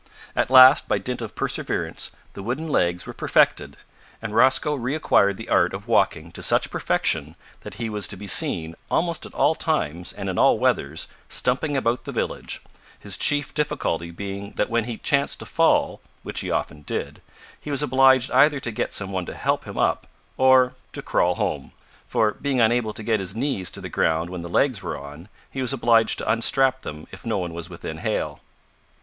At last, by dint of perseverance, the wooden legs were perfected, and Rosco re acquired the art of walking to such perfection, that he was to be seen, almost at all times and in all weathers, stumping about the village, his chief difficulty being that when he chanced to fall, which he often did, he was obliged either to get some one to help him up, or to crawl home; for, being unable to get his knees to the ground when the legs were on, he was obliged to unstrap them if no one was within hail.